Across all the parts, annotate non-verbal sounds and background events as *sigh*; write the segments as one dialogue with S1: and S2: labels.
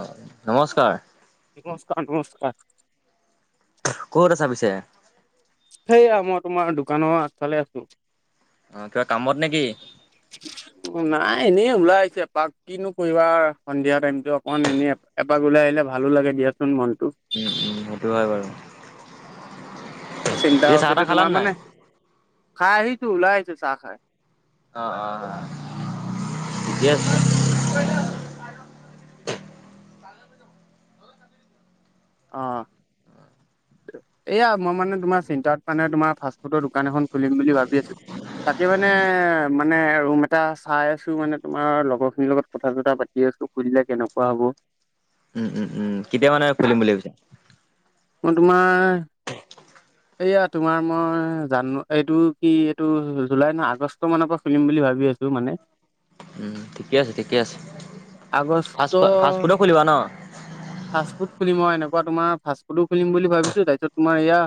S1: হয় নমস্কাৰ।
S2: নমস্কাৰ নমস্কাৰ।
S1: ক'ত আছা পিছে?
S2: সেইয়া মই তোমাৰ দোকানৰ আগফালে আছো।
S1: অ' কিবা কামত নে কি?
S2: নাই এনেই ওলাই আহিছো এপাক। কিনো কৰিবা সন্ধিয়া টাইমটো অকন এনেই এপাক উলাই আহিলে ভালো লাগে দিয়াচোন মনটো।
S1: উম উম সেইটো হয় বাৰু।
S2: চিন্তা
S1: এই চাহ
S2: হৈছেতো
S1: তাহ খালান
S2: তোমাৰ
S1: নাই
S2: মানে, খাই আহিছো ওলাই আহিছো চাহ খাই।
S1: অ অ অ ঠিকে আছে।
S2: অ' এয়া মই মানে তোমাৰ চিন্তাত মানে তোমাৰ ফাষ্ট ফুডৰ দোকান এখন খুলিম বুলি ভাবি আছো, তাকে মানে মানে ৰুম এ টা চাই আছো মানে তোমাৰ লগৰ খিনিৰ লগত কথা চথা পাতি আছো খুলিলে কেনেকোৱা হ'ব।
S1: উম উম উম, কেতিয়া মানে খুলিম বুলি ভাবিছে?
S2: মই তোমাৰ
S1: *unintelligible*
S2: এইয়া তোমাৰ মই জানো এইটো কি এইটো জুলাই নহয় আগষ্ট মানৰ পৰা খুলিম বুলি ভাবি আ ছো মানে
S1: উম ঠিকে আছে ঠিকে আছে,
S2: আগষ্ট
S1: ফা-ফাষ্ট ফুডৰ খুলিবা ন'।
S2: ফাষ্ট ফুড খুলিম অ' এনেকোৱা তোমাৰ ফাষ্ট ফুডো খুলিম বুলি ভাবিছো তাৰপিছত তোমাৰ এয়া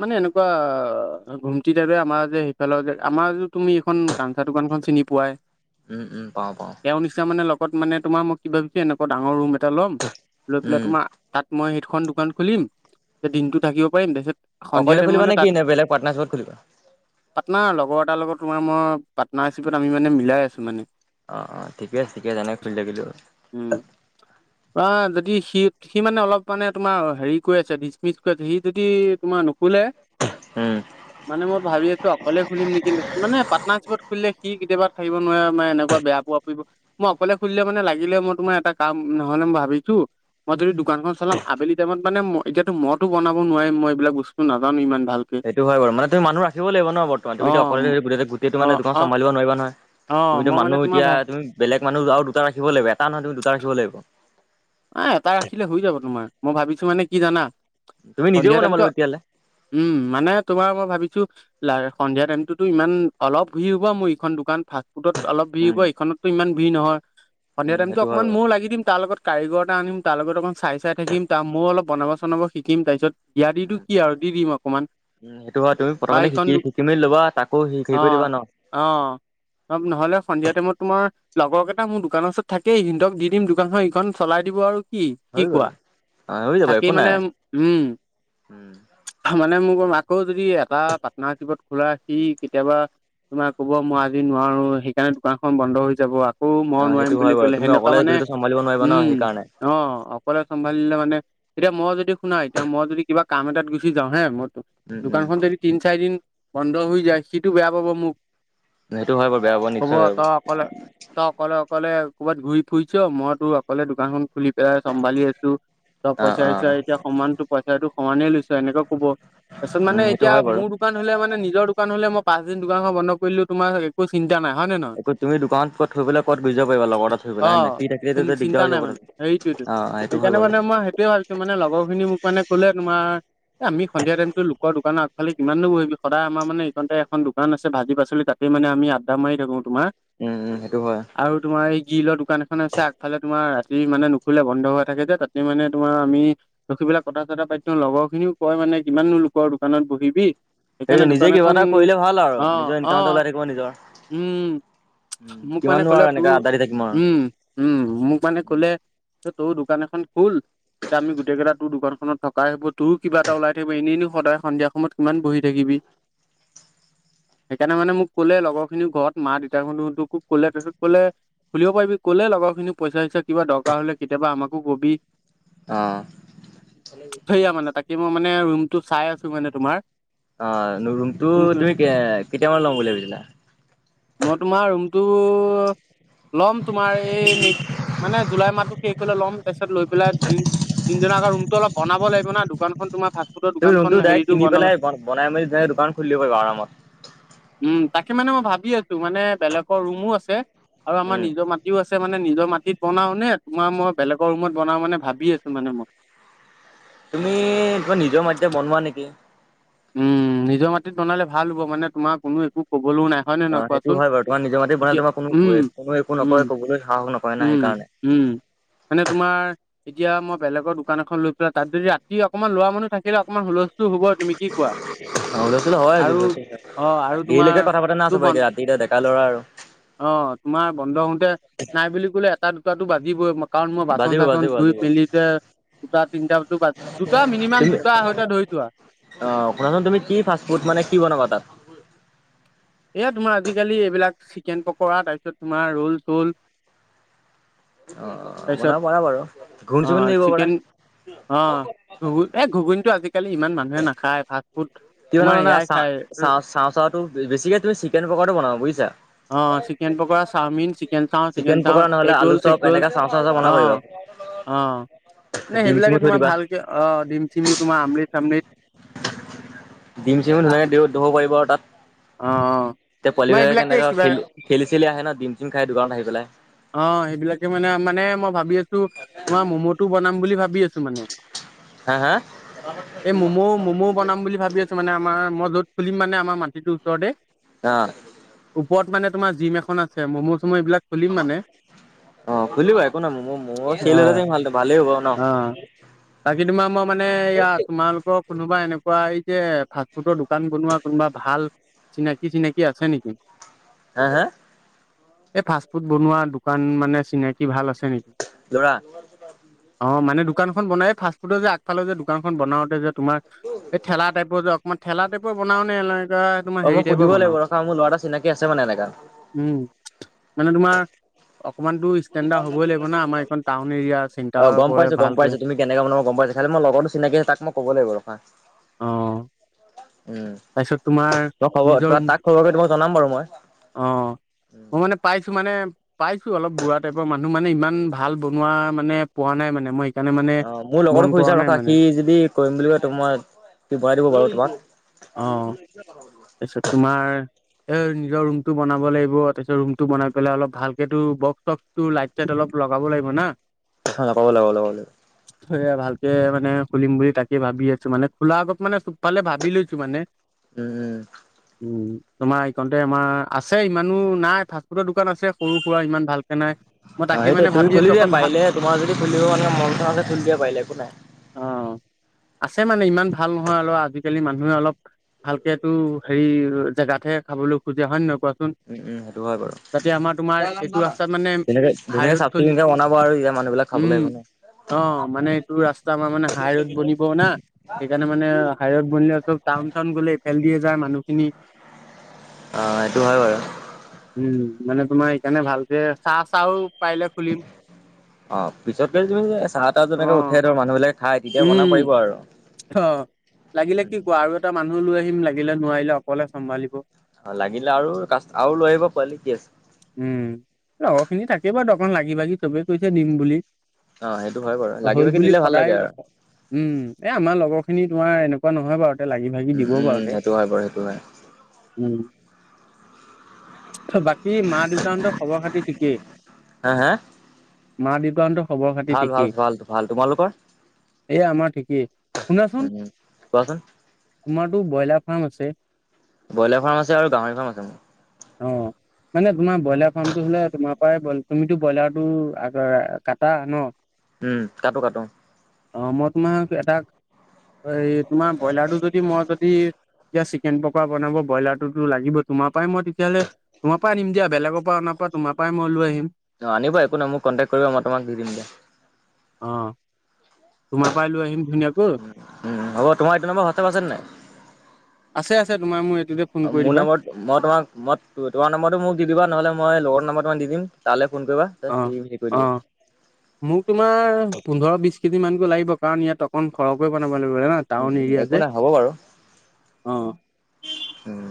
S2: মানে এনেকোৱা ঘুমটি টাইপ আমাৰ যে সেইফালৰ যে আমাৰ যে তুমি এইখন কাঞ্চা দোকানখন চিনি পোৱাই।
S1: উম উম পাও পাও।
S2: তেওঁৰ নিচনা মানে লগত মানে তোমাৰ মই কিবা কিবি এনেকোৱা এনেকোৱা ডাঙৰ ৰুম এটা ল'ম, লৈ পেলাই
S1: উম
S2: তোমাৰ তাত মই সেইখন দোকান খুলিম, যে দিনটো থাকিব পাৰিম তাৰপিছত সন্ধিয়া
S1: অকলে
S2: টাইম
S1: খুলিবা
S2: মানে
S1: নে
S2: তাত
S1: কি? নে বেলেগ পাৰ্টনাৰশ্বিপত খুলিবা।
S2: পাৰ্টনাৰ লগৰ এটাৰ লগত তোমাৰ মই পাৰ্টনাৰশ্বিপত আমি মানে মিলাই আছো মানে।
S1: অ', অ', ঠিকে আছে ঠিকে আছে এনে খুলিঠাকিলেই হ'ল।
S2: উম, অ', যদি সি সি মানে অলপ মানে তোমাৰ হেৰি কৰি আছে ডিচমিচ কৰি আছে, সি যদি তোমাৰ নোখোলে
S1: উম।
S2: মানে মই ভাবি আছোঁ অকলে খুলিম নেকি, মানে পাটনাৰচিপত খুলিলে সি কেতিয়াবা থাকিব নোৱাৰে মে এনেকুৱা বেয়া মই অকলে খুধিলে মানে লাগিলে মই তোমাৰ এটা কাম নহলে মই ভাবিছোঁ মই যদি দোকানখন চাম আবেলি টাইমত মানে ম এতিয়াত মইতো বনাব নোৱাৰিম মই এইবিলাক বস্তু নাজানো ইমান ভাল
S1: সেইটো হয় বাৰ মানে তুমি মানুহ ৰাখিব লাগিব ন বৰ্তমান
S2: অ
S1: তুমি তো অকলে গোটেই
S2: অ
S1: দোকান
S2: অ
S1: চম্ভালিব নোৱাৰা নহয়।
S2: অ
S1: তুমিতো
S2: মই মানে
S1: মানুহ
S2: তোমাৰ
S1: এতিয়া
S2: ভা
S1: তুমি বেলেগ মানুহ আৰু দুটা ৰাখিব লাগিব এটা নহয় তুমি দুটা ৰাখিব লাগিব।
S2: আহ এটা ৰাখিলে হৈ যাব তোমাৰ মই ভাবিছোঁ মানে কি জানা
S1: তুমি নিজেও
S2: সন্ধিয়া
S1: বনাব লাগিব
S2: টাইমতো
S1: তেতিয়াহ'লে
S2: উম মানে তোমাৰ মই ভাবিছোঁ সন্ধিয়া টাইমতটোতো ইমান অলপ ভিৰ হ'বা মোৰ এইখন দোকান ফাষ্টফুডত অলপ ভিৰ
S1: উম
S2: হ'ব এইখনতো ইমান ভিৰ নহয়
S1: উম
S2: সন্ধিয়াটাইমটো
S1: সেইটো হয়
S2: অকমান
S1: বাৰু
S2: মৌ লাগি দিম তাৰ লগত কাৰিগৰ এটা আনিম তাৰ লগত অকণ চাই চাই থাকিম, তাৰ ময়ো অলপ বনাব চনাব শিকিম তাৰপিছত বিয়া দিটো কি আৰু দি দিম অকমান।
S1: উম সেইটো হয়, তুমি
S2: বা
S1: প্ৰথমতে
S2: এইখন দো
S1: শিকি-শিকি মেলি লবা তাকো হেৰি কৰি দিবা ন'।
S2: অ'। অ', নহ'লে সন্ধিয়া টাইমত তোমাৰ লগৰ কেইটা মোৰ দোকানৰ ওচৰত থাকেই সিহঁক দিম দোকান হয় ইখন চলাই দিব আৰু কি,
S1: হৈ
S2: কি
S1: গ'ল।
S2: কোৱা
S1: অ হৈ যাব একো
S2: থাকি
S1: নাই
S2: মানে উম
S1: উম
S2: মানে মোৰ আকৌ যদি এটা পাৰ্টনাৰশ্বিপত খোলা সি কেতিয়াবা তোমাৰ কব মই আজি নোৱাৰো সেইকাৰণে দোকানখন বন্ধ হৈ যাব আকৌ মই নোৱাৰিম বুলি ক'লে সেনেকুৱা মানে
S1: মাৰিব নোৱাৰিব ন
S2: উম
S1: সেইকাৰণে
S2: অ', অকলে চম্ভালিলে মানে এতিয়া মই যদি শুনাই এতিয়া মই যদি কিবা কাম এটাত গুচি যাওঁ হে মোৰ
S1: উম উম
S2: দোকানখন যদি তিন চাৰি দিন বন্ধ হৈ যায় সিটো বেয়া পাব মোক
S1: সেইটো হয় বাৰু বেয়া পোৱো নিশ্চয় হ'ব।
S2: ত অকলে অকলে ক'বাত ঘূৰি ফুৰিছ মই তো অকলে দোকানখনন খুলি এ চম্ভালি আছোঁ ত
S1: অ
S2: পইচা
S1: অ
S2: চইচা এতিয়া সমানতো পইচাটো সমানেই লৈছোঁ এনেকে ক'ব। তাৰপিছত
S1: উম
S2: মানে
S1: সেইটো
S2: এতিয়া
S1: হয় বাৰু।
S2: মোৰ দোকান হ'লে মানে নিজৰ দোকান হলে মই পাঁচ দিন দোকানখন বন্ধ কৰিলো তোমাৰ একো চিন্তা নাই হয় নে নহয়।
S1: এক তুমি দোকানত থৈ গ'লে কত লৈ‌ যাব পাৰিবা লগত থৈ পাই
S2: অ
S1: হয় নে নহয়।
S2: চিন্তা নাই মানে হেৰিটো এইটো
S1: সেইটো হয়
S2: সেইকাৰণে
S1: বাৰু
S2: মানে মই ত ভাবিছোঁ মানে লগৰ খিনি মোক মানে ক'লে তোমাৰ এ আমি সন্ধিয় টাইম টো লোকৰ দোকান আগফালে কিমানো বহিবি সদায় আমাৰ মানে এইখনতে এখন দোকান আছে ভাজি পাচলি পাচলি তাত মানে আমি আদ্দা মাৰি থাকোঁ তোমাৰ
S1: উম, উম সেইটো হয়।
S2: আৰু তোমাৰ এই গ্ৰীলৰ দোকান এখন আছে আগফালে তোমাৰ ৰাতি মানে নুখোলে বন্ধ হৈ থাকে যে তাত মানে তোমাৰ আমি ৰখি পেলাই কথা চতা পাতিছোঁ লগৰ খিনিও কয় মানে কিমান লোকৰ দোকানত বহিবি
S1: সেই
S2: সেইকাৰণে
S1: নিজে
S2: দোকান
S1: কিবা
S2: এখন
S1: এটা কৰিলে ভাল আৰু নিজৰ
S2: আহ
S1: ইনকাম এটা ওলাই থাকিব নিজৰ।
S2: আহ উম মোক মানে
S1: কিমাননো আৰু
S2: কলো তো
S1: এনেকা আড্ডা দি থাকিম আৰু
S2: উম উম মোক মানে ক'লে তোৰ দোকান এখন খল আমি গোটেই কেইটা তোৰ দোকানখনত থকাই হ'ব তোৰো কিবা এটা ওলাই থাকিব এনেো সদায় সন্ধিয়া সময়ত কিমান বহি থাকিবি সেইকাৰণে মানে মোক ক'লে লগৰ খিনি ঘৰত মা দেউতাহঁতোকো কলে তাৰিছত কলে খুলিব পাৰিবি কলে লগৰ খিনি পইচা, পইচা কিবা দৰকাৰ হলে কেতিয়াবা আমাকো কবি।
S1: অঁ। *unintelligible*
S2: সেইয়া মানে তাকে মই মানে ৰুমটো চাই আছোঁ মানে তোমাৰ। *unintelligible*
S1: অঁ! ৰুমটো
S2: কোনটো,
S1: তুমি কে কেতিয়া মানে ল'ম বুলি ভাবিছিলা? *unintelligible*
S2: মই তোমাৰ ৰুমটো লম তোমাৰ এই ন *unintelligible* মানে জুলাই মাহটো শেষ হ'লে ল'ম তাৰপিছত লৈ পেলাই দুদিন *unintelligible* তিনদিনৰ আগত ৰুমটো অলপ বনাব লাগিব না, দোকানখন তোমাৰ ভাল *unintelligible*
S1: তুমি ৰুমটো ডাইৰেক্ট কিনি পেলাই বনাই মেলি *unintelligible* দোকান খুলি দিব পাৰিবা আৰামত।
S2: উম! তাকে মানে মই ভাবি আছো মানে বেলেগৰ ৰুমো আছে আৰু আমাৰ
S1: উম,
S2: নিজৰ মাত *unintelligible* মাটিও আছে, মানে নিজৰ মাটিত বনাও নে? তোমাৰ মই বেলেগৰ ৰুমত বনাও মানে ভাবি আছো মানে মই। *unintelligible*
S1: তুমি তোমাৰ নিজৰ মাটিতে বনোৱা নেকি? *unintelligible*
S2: উম! নিজৰ মাটিত বনালে ভাল হ'ব মানে তোমাৰ কোনো একো কবলৈও নাই। *unintelligible*
S1: অঁ সেইটো
S2: কোৱাচোন?
S1: হয় বাৰু তোমাৰ নিজ মাটিত বনালে
S2: এতিয়া
S1: তোমাৰ কোনো *unintelligible* কো একো নকয় কবলৈ সাহস নকয়।
S2: উম-উম মানে তোমাৰ *unintelligible* এতিয়া মই বেলেগৰ দোকান এখন লৈ পেলাই, তাত যদি ৰাতি অকমান লৰা মানুহ থাকিলে, অকনমান হুলস্থ *unintelligible*
S1: *unintelligible* অঁ! হূলস্থুল হয়
S2: আৰু
S1: আজিকালি
S2: অ', আৰু
S1: *inaudible*
S2: তোমাৰ
S1: দেৰিলৈকে কথা পাতা না
S2: তো
S1: চবে
S2: বন
S1: এতিয়া ৰাতি। তুমি এতিয়া ডেকা ল'ৰা আৰু। *unintelligible*
S2: অ তোমাৰ বন্ধ হ‌ওঁতে নাই বুলি ক'লে এটা, দুটাটো বাজিবই। *unintelligible* কাৰণ মই
S1: বাজিব বাজিব
S2: বাচন-চাচন ধুই
S1: বাজিব
S2: মেলিতে *unintelligible* দুটা, তিনিটা *unintelligible* দুটা মিনিমাম দুটা আহৈটা ধৰিছো আৰু *unintelligible*
S1: অঁ! শুনা চোন তুমি কি ফাষ্টফুড মানে কি বনাবা তাত? *unintelligible*
S2: এয়া তোমাৰ আজিকালি এইবিলাক চিকেন পকৰা তাৰপিছত তোমাৰ ৰোল-চোল *unintelligible*
S1: অ-অ!
S2: তাৰপিছত
S1: বনাব পাৰা বাৰু ঘূগুণি-চোগুণি দিব পাৰা। *unintelligible*
S2: অঁ! ঘুগুণি এই ঘুগুনিটো আজিকালি ইমান মানুহে নাখায় ফাষ্ট ফুড *unintelligible*
S1: তুমি *unintelligible*
S2: এয়াই খাই
S1: চা-চা-চাটো বেছিকে তুমি চিকেন পকাটো বনাব বুজিছা।
S2: অ', চিকেন পকৰা, চাওমিন, চিকেন চাও,
S1: *inaudible* চিকেন
S2: চাও,
S1: পকৰা নহলে
S2: এগ
S1: আলু
S2: ৰ'ল,
S1: চপ এনেকা চাওঁ-চাওঁ চা বনাব পাৰিবা? *unintelligible*
S2: অঁ মানে
S1: ডিম চিমো
S2: সেইবিলাকে
S1: থৈ
S2: তোমাৰ
S1: দিবা।
S2: ভালকে অ ডিম-চিমও তোমাৰ আমলিত-চামলিত *unintelligible*
S1: ডিম-চিম‌ও *unintelligible* দিব পাৰিবা আৰু তাত।
S2: অঁ-অঁ। *inaudible*
S1: এতিয়া পোৱালিবিলাকে কেনেকৈ খেল খেলি-চেলি আহে ন ডিম-চিম খাই দোকানত আহি পেলাই। *unintelligible*
S2: অঁ! সেইবিলাকে মানে-মানে মই ভাবি আছোঁ তোমাৰ ম'ম'টো বনাম বুলি ভাবি আছো মানে। *unintelligible*
S1: হা হা
S2: *unintelligible* এই মমো-ম'মো বনাম বুলি ভাবি আছো *unintelligible* মানে আমাৰ মই যত খুলিম মানে আমাৰ মাটিটো ওচৰতে *unintelligible*
S1: অ‍ঁ! *unintelligible*
S2: ওপৰত মানে তোমাৰ জিম এখন আছে ম'ম'-চম' এইবিলাক খুলিম মানে। *unintelligible*
S1: অঁ খুলিবা একো নাই মম চেল হ'লেটো ভাল ভালেই হ'ব ন। *unintelligible*
S2: অঁ! *unintelligible* বাকী তোমাৰ মই মানে এইয়া তোমালোকৰ কোনোবা এনেকুৱা এই যে ফাষ্ট ফুডৰ দোকান বনোৱা *unintelligible* কোনোবা ভাল চিনাকি-চিনাকি আছে নেকি? *unintelligible*
S1: হা-হা! *unintelligible*
S2: *inaudible* এই ফাষ্ট ফুড বনোৱা দোকান মানে চিনাকি ভাল আছে নেকি? *unintelligible*
S1: ল'ৰা? *unintelligible*
S2: অঁ! মানে দোকানখন বনাই ফাষ্টফুডৰ যে আগফালে যে দোকানখন বনাওতে যে তোমাৰ *unintelligible* এই ঠেলা টাইপৰ যে অকনমান ঠেলা টাইপ *unintelligible* *unintelligible* বনাও নে এনেকুৱা তোমাৰ
S1: অ মই
S2: হেৰি
S1: সুধিব
S2: টাইপৰ
S1: লাগিব
S2: বনাও?
S1: ৰখা মোৰ ল'ৰা এটা চিনাকি আছে মানে এনেকা
S2: উম! মানে তোমাৰ *unintelligible* অকমানতো ষ্টেণ্ডাৰ হ'বই লাগিব না আমাৰ এইখন টাউন এৰিয়া
S1: অ
S2: চেণ্টাৰ
S1: গম
S2: পৰে
S1: পাইছো গম
S2: ভালকে
S1: পাইছো তুমি কেনেকা বনাবা গম পাইছো তাতে মই লগৰটো চিনাকি তাক মই ক'ব লাগিব ৰখা
S2: অ'
S1: উম
S2: তাৰপিছত তোমাৰ
S1: তই খবৰ
S2: নিজৰ
S1: তই
S2: ৰুম
S1: তাক খবৰ কৰি তোমাক জনাম বাৰু মই
S2: অ মই মানে পাইছো মানে পাইছো অলপ বুঢ়া টাইপৰ মানুহ মানে ইমান ভাল ভাল বনোৱা মানে পোৱা নাই মানে মই সেইকাৰণে মানে
S1: অ মোৰ
S2: মন
S1: লগৰটোক সুধি
S2: কৰা
S1: চাও
S2: নাই
S1: ৰখা
S2: মানে
S1: সি যদি কৰিম বুলি কয় ত মই ভৰাই দিব পাৰো
S2: অ
S1: তোমাক
S2: তাৰপিছত তোমাৰ এ নিজৰ ৰুমটো বনাব লাগিব তাৰপিছত ৰুমটো বনাই পেলাই অলপ ভালকো বক্স চক্স তোৰ লাইট চাইট অলপ লগাব লাগিব না
S1: লগাব লাগিব লগাব লাগিব
S2: এয়া ভালকে মানে খুলিম বুলি তাকে ভাবি আছো মানে খোলা আগত মানে চবফালে ভাবি লৈছো মানে
S1: উম উম
S2: উম তোমাৰ এইকণতে আমাৰ আছে ইমানো নাই ফাষ্টফুডৰ দোকান আছে সৰু সুৰা ইমান ভালকে নাই মই
S1: অ
S2: তাকে মানে
S1: সেইটোৱে তুমি
S2: ভাবি আছো
S1: খুলি দিয়া
S2: অকণ ভা
S1: পাৰিলে তোমাৰ যদি খুলিব মানে মনটো আছে খুলি দিয়া পাৰিলে একো নাই
S2: অ আছে মানে ইমান ভাল নহয় হলো আজিকালি মানুহে অলপ এতিয়াতো হেৰি জেগাতহে খাবলৈ খোজে হয় নে নহয় কোৱাচোন
S1: উম উম সেইটো হয় বাৰু
S2: যাতে আমাৰ তোমাৰ এইটো ৰাস্তাত মানে
S1: ধু
S2: হাই
S1: ধুনীয়াকে
S2: ৰোড
S1: চাফ
S2: চলি
S1: চিকুণকে বনাব আৰু ইয়াৰ মানুহ বিলাক খাবলৈ
S2: উম
S1: মানে
S2: অ মানে এইটো ৰাস্তা আমাৰ মানে হাই ৰোড বনিব না সেইকাৰণে মানে হাই ৰড বনিলে চব টাউন চাউন গলে এইফালে দিয়ে যায় মানুহখিনি
S1: অ', সেইটো হয় বাৰু।
S2: উম মানে তোমাৰ সেকাৰণে ভালকে চাহ চাহও পাইলে
S1: অ পিছতকে তুমি যে চাহ তাহ
S2: অ
S1: যেনেকে উঠে ধৰ মানুহ বিলাকে খাই তেতিয়া বনাব
S2: উম
S1: পাৰিব আৰু
S2: অ লাগিলে
S1: উম,
S2: কি ক আৰু এটা মানুহ লৈ আহিম লাগিলে নোৱাৰিলে অকলে চম্ভালিব
S1: অ লাগিলে আৰু কা আৰু লৈ আহিব পোৱালি কি আছে
S2: উম লগৰখিনি থাকেই বাৰু অকণ লাগি ভাগি চবেই কৈছে দিম বুলি
S1: অ সেইটো হয় বাৰু লাগি
S2: হ'ল
S1: ভাগি
S2: বুলি
S1: দিলে ভাল
S2: সদায়
S1: লাগে আৰু
S2: উম এ আমাৰ লগৰ খিনি তোমাৰ এনেকোৱা নহয় বাৰু তে লাগি ভাগি
S1: উম,
S2: দিবও
S1: উম,
S2: বাৰু তে
S1: সেইটো হয় বাৰু সেইটো হয়।
S2: উম বা কী মা দেউতাহঁতৰ খবৰ খাতি ঠিকেই
S1: হা, হা
S2: মা দেউতাহঁতক
S1: ভাল ভাল ভাল ভাল তোমালোকৰ
S2: এ আমাৰ ঠিকেই শুনাচোন
S1: উম, কোৱাচোন
S2: তোমাৰতো ব্ৰইলাৰ ফাৰ্ম আছে
S1: ব্ৰইলাৰ ফাৰ্ম আছে আৰু গাহৰি ফাৰ্ম আছে মোৰ
S2: অ মানে তোমাৰ ব্ৰইলাৰ ফাৰ্মটো হলে তোমাৰ পৰাই তুমি ব্ৰইলাটো কাটা ন
S1: উম কাটো কাটো
S2: অ মই তোমাৰ এটা এই তোমাৰ ব্ৰইলাৰটো যদি মই যদি যেতিয়া চিকেন পকৰা বনাব ব্ৰইলাৰটোতো লাগিব তোমাৰ পৰাই মই তেতিয়াহ'লে তোমাৰ পৰাই আনিম দিয়া বেলেগৰ পৰা আনাতকৈ তোমাৰ পৰাই মই লৈ আহিম
S1: অ আনিবা একো নাই মোক কণ্টেক কৰিবা মই তোমাক দি দিম দে
S2: অ তোমাৰ পৰাই লৈ আহিম ধুনীয়াকৈ
S1: উম হ'ব তোমাৰ এইটো নম্বৰত হোৱাতচপ আছে নে নাই
S2: আছে আছে তোমাৰ মোক এইটোতে ফোন কৰি
S1: মোৰ
S2: দিবা
S1: নম্বৰত মই তোমাক মই তোমাৰ নাম্বাৰটো মোক দি দিবা নহ'লে মই লগৰ নাম্বাৰটো তোমাক দি দিম তালৈ ফোন কৰিবা সি
S2: অহ
S1: হেৰি কৰি দিব।
S2: অহ
S1: উম,
S2: মোক তোমাৰ পোন্ধৰ বিশ কেজি মানকৈ লাগিব কাৰণ ইয়াত অকণ সৰহকৈ বনাব লাগিব জানা টাউন
S1: উম,
S2: এৰিয়া
S1: একো নাই হ'ব বাৰু
S2: যে অহ
S1: উম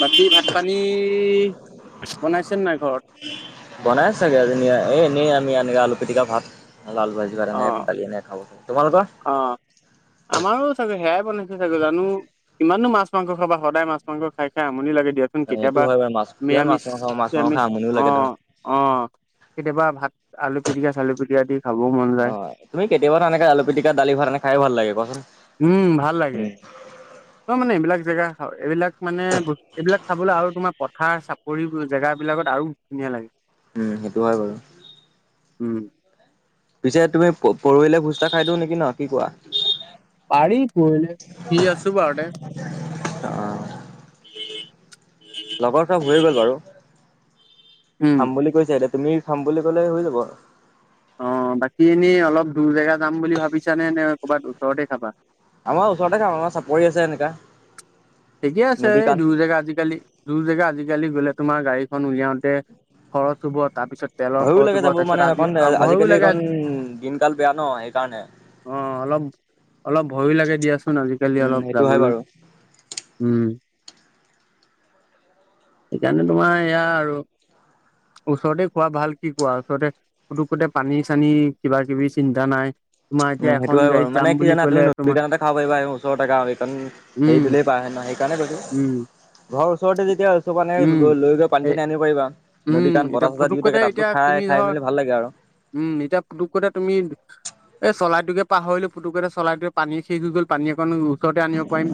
S2: বাকী ভাত পানী বনাইছে নে নাই ঘৰত
S1: বনাই চাগে আজি এ এনেই আমি এনেকে আলু পিটিকা ভাত হ'লে আলু ভাজি কিবা এটা এনে দালি এনে খাওঁ তোমালোকৰ
S2: অহ আমাৰো চাগে সেয়াই বনাইছে চাগৈ জানো ইমানো মাছ মাংস খাবা সদায় মাছ মাংস খাই খাই আমনি লাগে দিয়া চোন
S1: এইটো
S2: কেতিয়াবা
S1: হয় বাৰু মাছ কিমান
S2: নিৰামিষ
S1: মাছ মাংস মাছ মাংস
S2: চিৰামিষ
S1: খাই আমনিও লাগে ধৰ।
S2: অহ অহ কেতিয়াবা ভাত আলু পিটিকা চালু পিটিকা দি খাব মন যায়
S1: হয় তুমি কেতিয়াবা তেনেকে আলু পিটিকা দালি ভাত এনে খাই ভাল লাগে কোৱাচোন
S2: উম ভাল লাগে
S1: উম।
S2: ত মানে এইবিলাক জেগা এইবিলাক মানে ব এইবিলাক খাবলৈ আৰু তোমাৰ পথাৰ চাপৰিবোৰ জেগা বিলাকত আৰু ধুনীয়া লাগে
S1: উম সেইটো হয় বাৰু
S2: উম
S1: পিছে তুমি প পৰহিলে ভোজ এটা খাই দিওঁ নেকি ন কি কোৱা
S2: পাৰি পৰহিলে ফ্ৰি আছো বাৰু দে
S1: অ',
S2: টি তিট
S1: লগৰ চব হৈ গ'ল বাৰু
S2: উম
S1: খাম বুলি কৈছা এতিয়া তুমি খাম বুলি কলে হৈ যাব
S2: অহ বাকী এনেই অলপ দূৰ জেগা যাম বুলি ভাবিছানে নে ক'ৰবাত ওচৰতে খাবা
S1: আমাৰ ওচৰতে যাম আমাৰ চাপৰি আছে এনেকা
S2: ঠিকে আছে
S1: নদী
S2: এই
S1: কাণ
S2: দূৰ জেগা আজিকালি দূৰ জেগা আজিকালি গলে তোমাৰ গাড়ীখন উলিয়াওতে খৰচ হ'ব তাৰপিছত তেলৰ
S1: ভয়ো
S2: খৰচ
S1: লাগে
S2: হ'ব
S1: যাব
S2: তাৰপিছত
S1: মানে
S2: আজি
S1: অকন
S2: ভয়ো
S1: আজিকালি
S2: লাগে
S1: এইকণ দিনকাল বেয়া ন এই কাৰনে
S2: অহ অলপ অলপ ভয়ো লাগে দিয়াচোন আজিকালি
S1: উম
S2: অলপ
S1: সেইটো হয়
S2: যাবলৈ
S1: বাৰু
S2: উম সেইকাৰণে তোমাৰ ইয়া আৰু ওচৰতে খোৱা ভাল কি কোৱা ওচৰতে পুটুকুতে পানী চানী কিবা কিবি চিন্তা নাই তোমাৰ
S1: উম
S2: এতিয়া
S1: সেইটো
S2: এখন
S1: হয় বাৰু
S2: গাড়ীত যাম
S1: মানে কি
S2: বুলি
S1: জান তুমি
S2: ক'লে
S1: নদীৰ
S2: তোমাৰ
S1: কিনাৰে খাব পাৰা এই ওচৰতে জেগা আৰু এইকণ হেৰি
S2: উম
S1: দিলেই পাৰ হয় ন সেইকাৰণে কৈছো
S2: উম
S1: ঘৰৰ ওচৰতে যেতিয়া ওচৰ পানী
S2: উম।
S1: গৈ পানী
S2: এ
S1: চানী আনিব পাৰিবা নদী
S2: উম
S1: কাৰণ
S2: এতিয়া
S1: বতাহ চতাহ দিওঁ
S2: পুতুকতে
S1: থাকে তাতো
S2: এতিয়া তুমি
S1: খাই খাই
S2: ধৰ
S1: মেলি ভাল লাগে আৰু
S2: উম এতিয়া পুতুকতে তুমি এই চলাইটোকে পাহৰিলোঁ পুটুকেতে চৰাইটোৱে পানী শেষ হৈ গল পানী অকণ ওচৰতে আনিব পাৰিম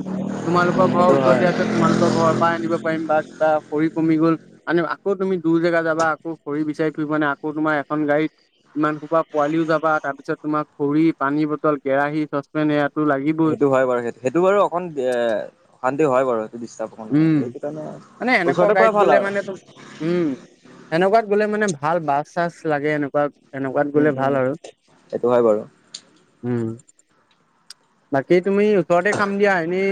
S1: উম,
S2: তোমালোকৰ ঘৰৰ
S1: সেইটো হয়।
S2: ওচৰতে আছে তোমালোকৰ ঘৰৰ পৰা আনিব পাৰিম বা কিবা খৰি কমি গ'ল আন আকৌ তুমি দূৰ জেগা যাব আকৌ খৰি বিচাৰি ফুৰিবা নে আকৌ তোমাৰ এখন গাড়ীত ইমান বা পোৱালিও যাব তাৰ পিছত তোমাৰ খৰি পানী বটল কেৰাহী চচপেন এইয়াটো লাগিব
S1: সেইটো হয় বাৰু সেই সেইটো বাৰু অকণ বেয়া অশান্তি হয় বাৰু সেইটোৰ
S2: উমঁ, মানে এনেকুৱা গাড়ীত
S1: ভাল
S2: গ'লে
S1: আৰু
S2: মানে তো- উমঁ, সেনেকুৱাত গ'লে মানে ভাল বাছ-চাছ লাগে এনেকুৱা- তেনেকুৱাত
S1: উম
S2: গ'লে
S1: উম
S2: ভাল আৰু
S1: সেইটো হয় বাৰু
S2: উমঁ। বাকী তুমি ওচৰতে খাম দিয়া এনেই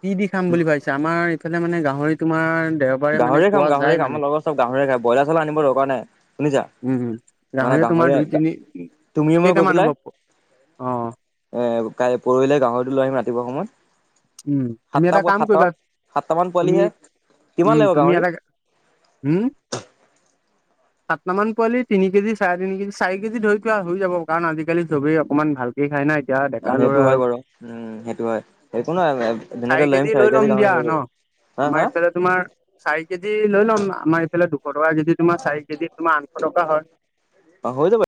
S2: কি দি খাম বুলি ভাবিছা? আমাৰ- ইফালে মানে গাহৰি তোমাৰ দে-
S1: গাহৰি খাম, গাহৰি খাম আমাৰ লগৰ চব গাহৰিয়ে খাই, বইলাৰ চইলা আনিব দৰকাৰ নাই শুনিছা।
S2: উমঁ, হুম। গাহৰি তোমাৰ দুই, তিনি-
S1: তুমিয়ে মই গৈ পেলাই-
S2: অঁ', -অঁ।
S1: এ কাইলৈ পৰহিলৈ গাহৰিটো লৈ আহিম ৰাতিপুৱা সময়ত।
S2: উমঁ, তুমি
S1: সাতটা
S2: এটা কাম
S1: সাতটামান
S2: কৰিবা
S1: সাতটামান
S2: তুমি
S1: পোৱালিহে কিমান
S2: উমঁ,
S1: লাগিব
S2: তুমি
S1: গাহৰি
S2: এটা উম।
S1: উম।
S2: সাতটামান পোৱালি তিনি কেজি চাৰে তিনি কেজি চাৰি কেজি ধৰি পোৱা হৈ যাব কাৰণ আজিকালি চবেই অকণমান ভাল- খাই ন। এতিয়া-
S1: অ
S2: ডেকা
S1: সেইটো
S2: ল'ৰা
S1: হয়
S2: আৰু
S1: বাৰু, উমঁ সেইটো হয়, সেইটো হয়।
S2: চাৰি কেজি লৈ ল'ম দিয়া ন।
S1: হা হা
S2: আমাৰ ইফালে তোমাৰ চাৰি কেজি লৈ ল'ম আমাৰ এইফালে দুশ টকা কেজি তোমাৰ চাৰি কেজি তোমাৰ আঠশ টকা হয়।
S1: অঁ হৈ যাব।